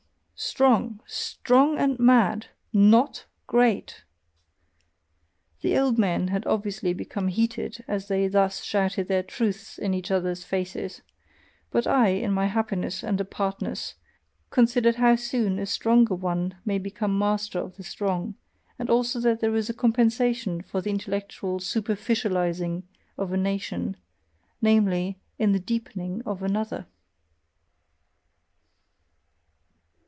strong! Strong and mad! NOT great!" The old men had obviously become heated as they thus shouted their "truths" in each other's faces, but I, in my happiness and apartness, considered how soon a stronger one may become master of the strong, and also that there is a compensation for the intellectual superficialising of a nation namely, in the deepening of another.